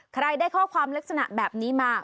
ใครได้ข้อความลักษณะแบบนี้มา